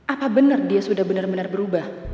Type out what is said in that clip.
apa bener dia sudah bener bener berubah